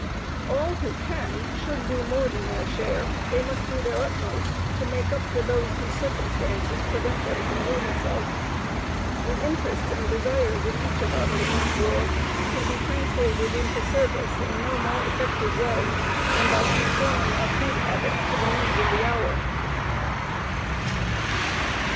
All who can should do more than their share they must do their utmost to make up for those whose circumstances prevent them from doing it. THE INTERESTS AND DESIRES OF EACH OF US IN THIS WAR CAN BE TRANSLATED INTO SERVICE IN NO MORE EFFECTIVE WAY THAN BY CONFORMING OUR FOOD HABITS TO THE NEEDS OF THE HOUR.